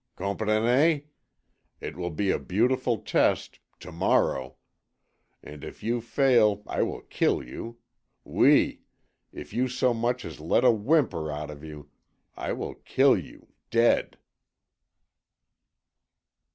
COMPRENEZ? It will be a beautiful test to morrow. And if you fail I will kill you. OUI; if you so much as let a whimper out of you, I will kill you dead."